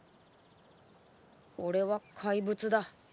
俺は怪物だ。